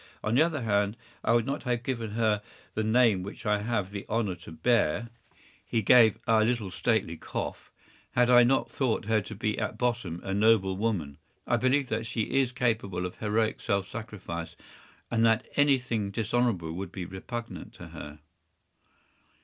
On the other hand, I would not have given her the name which I have the honor to bear‚Äù—he gave a little stately cough—‚Äúhad not I thought her to be at bottom a noble woman. I believe that she is capable of heroic self sacrifice, and that anything dishonorable would be repugnant to her.